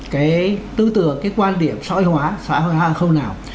cái tư tưởng cái quan điểm sòi hóa sòi hóa hai khâu nào